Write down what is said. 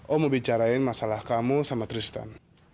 oh mau bicarain masalah kamu sama tristan